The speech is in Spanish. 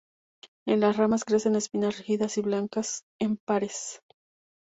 En las ramas crecen espinas rígidas y blancas en pares.